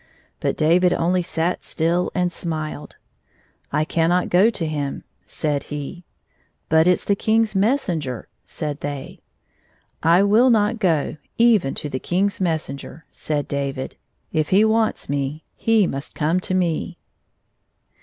But David only sat still and smiled. " I cannot go to him," said he. " But it is the King's messenger," said they. " I will not go even to the King's messenger," said David. " If he wants me, he must come 10 me."